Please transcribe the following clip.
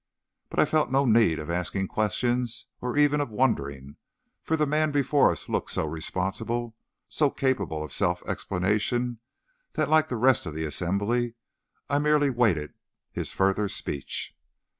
But I felt no need of asking questions, or even of wondering, for the man before us looked so responsible, so capable of self explanation, that like the rest of the assembly, I merely waited his further speech.